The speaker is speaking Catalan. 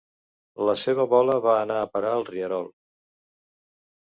La seva bola va anar a parar al rierol.